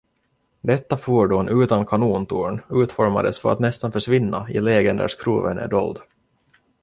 Detta fordon utan kanontorn utformades för att nästan försvinna i lägen där skroven är dold.